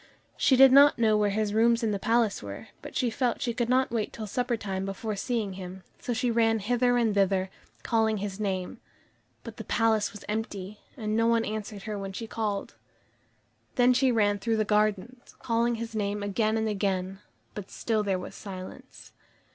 She did not know where his rooms in the palace were, but she felt she could not wait till supper time before seeing him, so she ran hither and thither, calling his name. But the palace was empty, and no one answered her when she called. Then she ran through the gardens, calling his name again and again, but still there was silence.